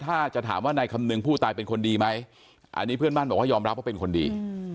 ถ้าจะถามว่านายคำนึงผู้ตายเป็นคนดีไหมอันนี้เพื่อนบ้านบอกว่ายอมรับว่าเป็นคนดี